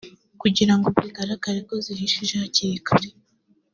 kugira ngo zigaragare ko zihishije hakiri kare